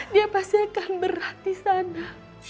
dia pasti akan berat disana